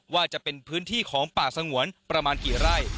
ว่าจะเป็นพื้นที่ของป่าสงวนประมาณกี่ไร่